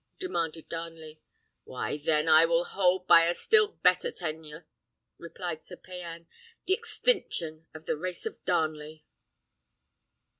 demanded Darnley. "Why, then I will hold by a still better tenure," replied Sir Payan; "the extinction of the race of Darnley!"